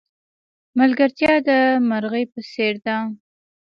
ملگرتیا د مرغی په څېر ده.